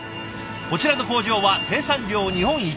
こちらの工場は生産量日本一。